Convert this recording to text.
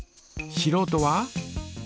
しろうとは？